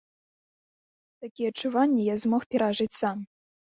Такія адчуванні я змог перажыць сам.